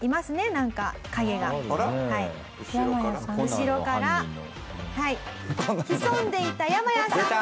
後ろから潜んでいたヤマヤさんが。